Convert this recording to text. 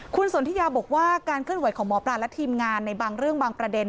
คุณสนทิยาบอกว่าการเคลื่อนไหวของหมอปลาและทีมงานในบางเรื่องบางประเด็น